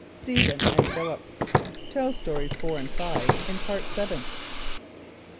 Stephen and Philip. (Tell Stories 4 and 5 in Part Seventh.)